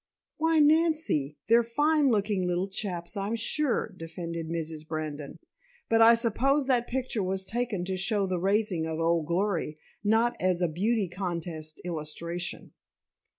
"Why Nancy! They're fine looking little chaps, I'm sure," defended Mrs. Brandon. "But I suppose that picture was taken to show the raising of Old Glory, not as a beauty contest illustration."